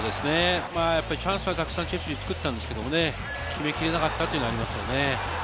チャンスはたくさんチェルシー作ったんですけれど、決めきれなかったというのもありますね。